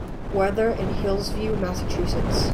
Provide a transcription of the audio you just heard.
weather in Hillsview Massachusetts